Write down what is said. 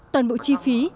toàn bộ chi phí